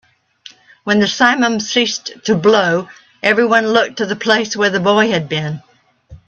When the simum ceased to blow, everyone looked to the place where the boy had been.